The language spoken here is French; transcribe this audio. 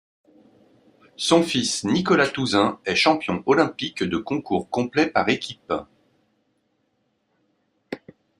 Son fils Nicolas Touzaint est champion olympique de concours complet par équipe.